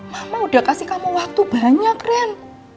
mama udah kasih kamu waktu banyak ren